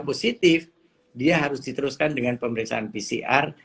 kalau dia negatif dia harus diteruskan dengan pemeriksaan pcr